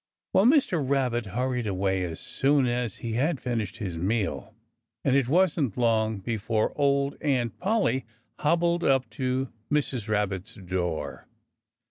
Well, Mr. Rabbit hurried away as soon as he had finished his meal. And it wasn't long before old Aunt Polly hobbled up to Mrs. Rabbit's door.